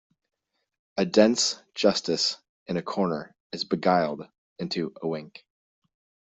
A dense justice in a corner is beguiled into a wink.